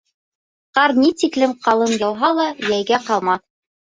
Ҡар ни тиклем ҡалын яуһа ла, йәйгә ҡалмаҫ.